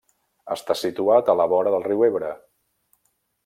Està situat a la vora del riu Ebre.